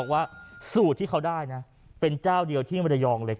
ว่าสูตรที่เขาได้นะเป็นเจ้าเดียวที่มรยองเลย